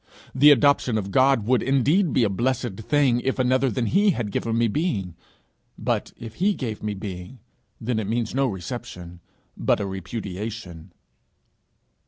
The adoption of God would indeed be a blessed thing if another than he had given me being! but if he gave me being, then it means no reception, but a repudiation.